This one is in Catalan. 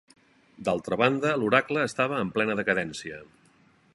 D'altra banda, l'oracle estava en plena decadència.